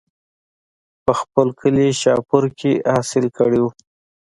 پۀ خپل کلي شاهپور کښې حاصل کړے وو